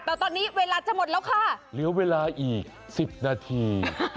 แต่ตอนนี้เวลาจะหมดแล้วค่ะเหลือเวลาอีก๑๐นาที